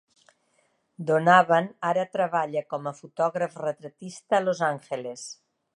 Donavan ara treballa com a fotògraf retratista a Los Angeles.